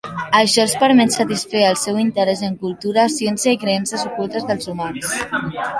Això els permet satisfer el seu interès en cultura, ciència i creences ocultes dels humans.